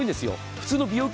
普通の美容系